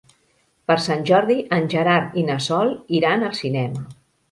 Per Sant Jordi en Gerard i na Sol iran al cinema.